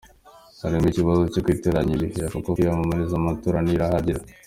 "Hariho ikibazo co kwitiranya ibihe kuko kwiyamamariza amatora ntiharagera.